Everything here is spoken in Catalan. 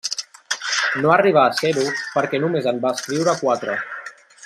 No arribà a ser-ho perquè només en va escriure quatre.